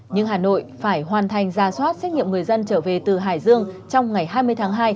nhưng hà nội phải hoàn thành ra soát xét nghiệm người dân trở về từ hải dương trong ngày hai mươi tháng hai